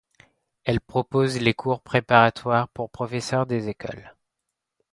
Elle propose les cours préparatoires pour professeur des écoles.